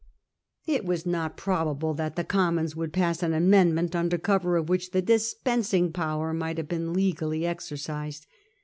It was not probable that the Commons would pass an amendment under cover of which the dispensing power might have been legally exercised.